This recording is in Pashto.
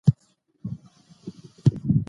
ډيجيټلي رسنۍ پوهاوی خپروي.